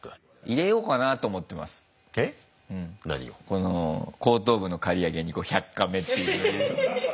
この後頭部の刈り上げに「１００カメ」って。